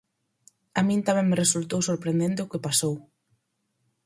A min tamén me resultou sorprendente o que pasou.